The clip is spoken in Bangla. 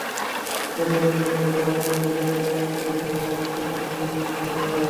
প্যাথোলজি পরীক্ষার অংশ হিসেবে ডায়াবেটিস এবং রক্তের গ্রুপ নির্ণয় করে দেওয়া হয়।